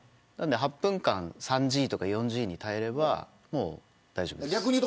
なので８分間３Ｇとか４Ｇに耐えればもう大丈夫です。